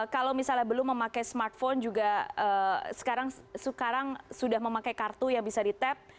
kalau misalnya belum memakai smartphone juga sekarang sudah memakai kartu yang bisa di tap